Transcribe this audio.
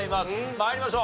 参りましょう。